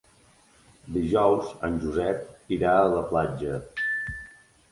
Dijous en Josep irà a la platja.